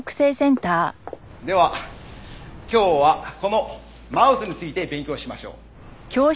では今日はこのマウスについて勉強しましょう。